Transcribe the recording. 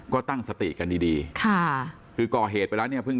ก็ตั้งสติกันดีดีค่ะคือก่อเหตุไปแล้วเนี่ยเพิ่ง